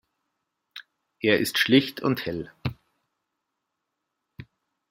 Er ist schlicht und hell.